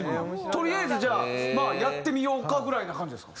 とりあえずじゃあまあやってみようかぐらいな感じですか？